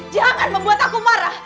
jangan membuat aku marah